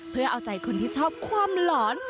เพื่อเอาใจคนที่ชอบความหลอน